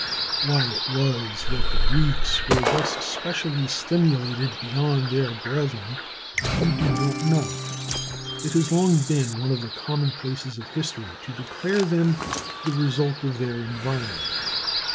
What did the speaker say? Why it was that the Greeks were thus specially stimulated beyond their brethren we do not know. It has long been one of the commonplaces of history to declare them the result of their environment.